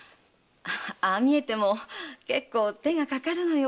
ああ見えても結構手がかかるのよ